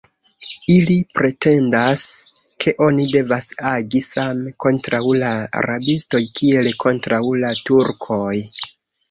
Ili pretendas, ke oni devas agi same kontraŭ la rabistoj, kiel kontraŭ la Turkoj.